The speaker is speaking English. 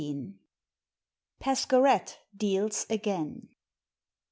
PASCHERETTE DEALS AGAIN.